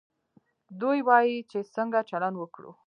دوی وايي چې څنګه چلند وکړو.